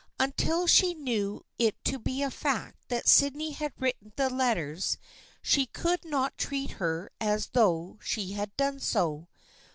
Until she knew it to be a fact that Sydney had written the letters she could not treat her as though she had done so.